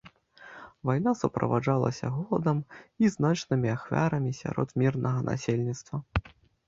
Вайна суправаджалася голадам і значнымі ахвярамі сярод мірнага насельніцтва.